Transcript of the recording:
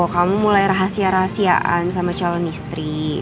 kamu mulai rahasia rahasiaan sama calon istri